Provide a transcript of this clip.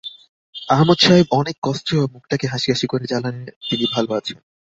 আহমেদ সাহেব অনেক কষ্টেও মুখটাকে হাসি হাসি করে জানালেন, তিনি ভালো আছেন।